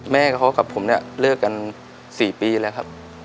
แม่เขากับผมเลือกกัน๔ปีแล้วครับ